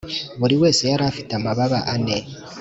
Buri wese yari afite amababa ane